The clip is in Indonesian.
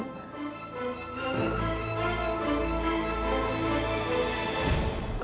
terima kasih bu